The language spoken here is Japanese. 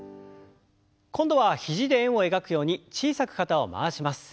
今度は肘で円を描くように小さく肩を回します。